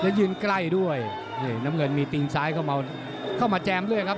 และยืนใกล้ด้วยเกิดน้ำเลือดมีตีงซ้ายเข้ามาจ่ำด้วยครับ